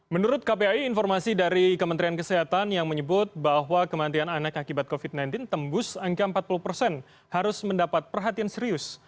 menurut kpai informasi dari kementerian kesehatan yang menyebut bahwa kematian anak akibat covid sembilan belas tembus angka empat puluh persen harus mendapat perhatian serius